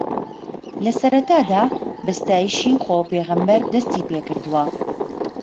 لەسەرەتادا بە ستایشی خودا و پێغەمبەر دەستی پێکردووە